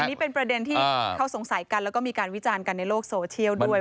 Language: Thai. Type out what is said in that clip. นี่เป็นประเด็นที่เขาสงสัยกันแล้วก็มีการวิจารณ์กันในโลกโซเชียลด้วย